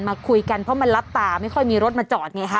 มาคุยกันเพราะมันรับตาไม่ค่อยมีรถมาจอดไงฮะ